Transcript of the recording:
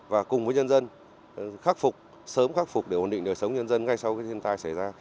và cùng với nhân dân khắc phục sớm khắc phục để ổn định đời sống nhân dân ngay sau khi thiên tai xảy ra